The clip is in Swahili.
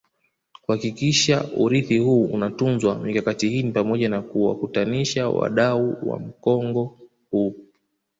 kuhakikisha urithi huu unatunzwa Mikakati hii ni pamoja na kuwakutanisha wadau wa mkongo huu